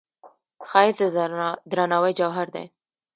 ښایست د درناوي جوهر دی